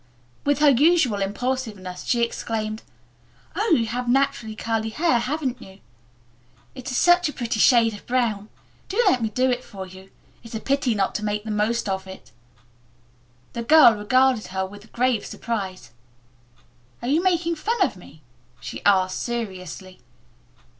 With her usual impulsiveness she exclaimed, "Oh, you have naturally curly hair, haven't you? It's such a pretty shade of brown. Do let me do it for you. It's a pity not to make the most of it." The girl regarded her with grave surprise. "Are you making fun of me?" she asked seriously.